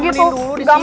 temenin dulu di sini